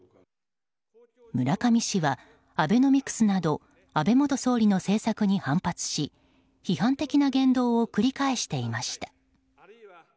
村上氏は、アベノミクスなど安倍元総理の政策に反発し批判的な言動を繰り返していました。